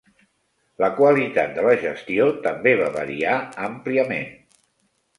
La qualitat de la gestió també va variar àmpliament.